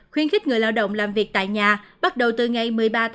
khuyên khích người lao động làm việc tại nhà bắt đầu từ ngày một mươi ba một mươi hai